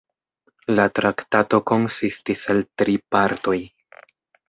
La Traktato konsistis el tri partoj.